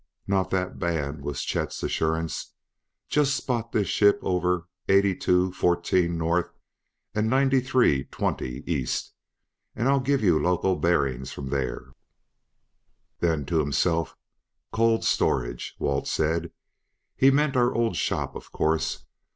"Not that bad," was Chet's assurance. "Just spot this ship over 82:14 north, 93:20 east, and I'll give you local bearings from there." Then to himself: "'Cold storage,' Walt said; he meant our old shop, of course.